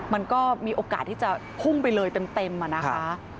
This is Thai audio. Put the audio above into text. มันก็มีโอกาสที่จะพุ่งไปเลยเต็มอะนะคะ